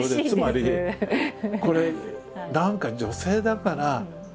つまりこれ何か「女性だから」